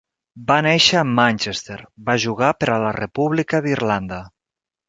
Va néixer a Manchester, va jugar per a la República d'Irlanda.